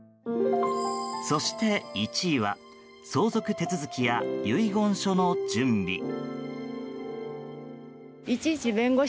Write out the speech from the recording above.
そして１位は相続手続きや遺言書の準備。